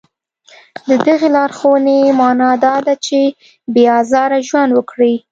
د دې لارښوونې معنا دا ده چې بې ازاره ژوند وکړي.